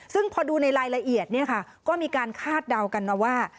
ซึ่งพอดูในลายละเอียดก็มีการคาดเดากันว่า